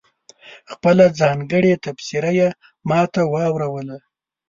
خپله ځانګړې تبصره یې ماته واوروله.